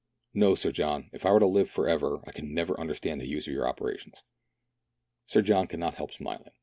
No, Sir John, if I were to live for ever, I could never under stand the use of your operations." Sir John could not help smiling.